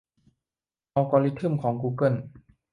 อัลกอริทึมของกูเกิล